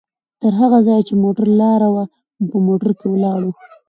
تر هغه ځایه چې د موټر لاره وه، په موټر کې ولاړو؛